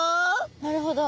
なるほど。